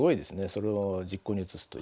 それを実行に移すという。